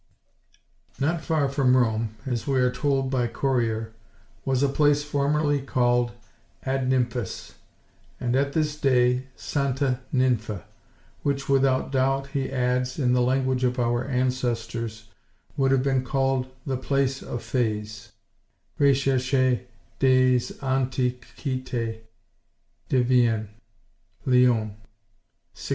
Not far from Rome, as we are told by Chorier, was a place formerly called "Ad Nymphas," and, at this day, "Santa Ninfa," which without doubt, he adds, in the language of our ancestors, would have been called "The Place of Fays" (Recherches des Antiquitez, de Vienne, Lyon, 1659).